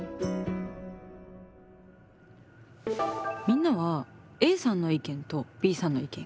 みんなはＡさんの意見とＢさんの意見